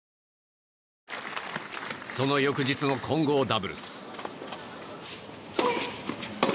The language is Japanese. その翌日の混合ダブルス。